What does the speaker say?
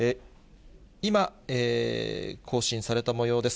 今、更新されたもようです。